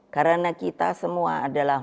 karena kita semua adalah